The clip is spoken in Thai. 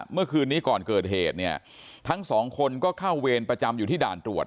เมื่อคืนนี้ก่อนเกิดเหตุเนี่ยทั้งสองคนก็เข้าเวรประจำอยู่ที่ด่านตรวจ